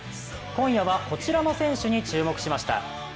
今夜はこちらの選手に注目しました。